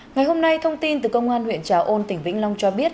ngày hôm nay thông tin từ công an huyện trà ôn tỉnh vĩnh long cho biết